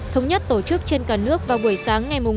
thống nhất tổ chức trên cả nước vào buổi sáng ngày